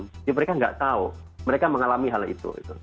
jadi mereka nggak tahu mereka mengalami hal itu